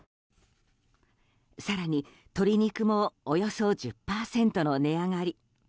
更に鶏肉もおよそ１０％の値上がり。